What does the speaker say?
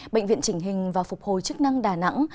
bệnh viện chỉnh hình và phục hồi chức năng đà nẵng